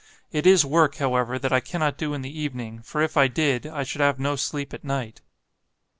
It is work, however, that I cannot do in the evening, for if I did, I should have no sleep at night.